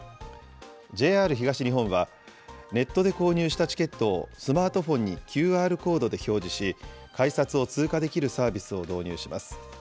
ＪＲ東日本は、ネットで購入したチケットをスマートフォンにＱＲコードで表示し、改札を通過できるサービスを導入します。